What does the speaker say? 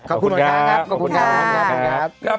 ขอบคุณหมอช้างครับขอบคุณครับขอบคุณครับขอบคุณครับขอบคุณครับขอบคุณครับ